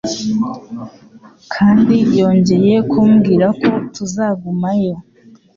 kandi yongeye kumbwira ko tuzagumayo